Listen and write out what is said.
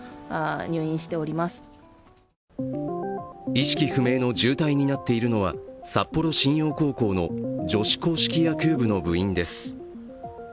意識不明の重体になっているのは札幌新陽高校の女子硬式野球部の部員です。